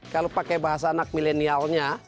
kalau pakai bahasa anak milenialnya